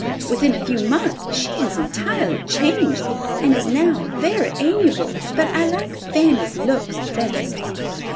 Within a few months she has entirely changed, and is now very amiable; but I like Fanny's looks the best."